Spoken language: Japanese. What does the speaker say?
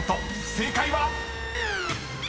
正解は⁉］